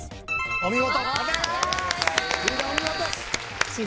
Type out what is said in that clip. お見事。